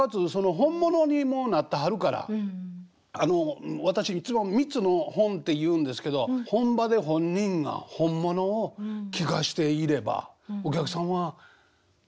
本物にもうなってはるからあの私いつも「３つの本」っていうんですけど本場で本人が本物を聴かしていればお客さんは離れないと思いますよ。